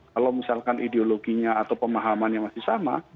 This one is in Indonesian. kalau misalkan ideologinya atau pemahamannya masih sama